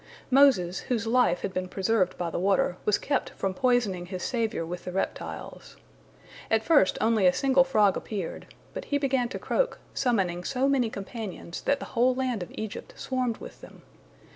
Moses, whose life had been preserved by the water, was kept from poisoning his savior with the reptiles. At first only a single frog appeared, but he began to croak, summoning so many companions that the whole land of Egypt swarmed with them.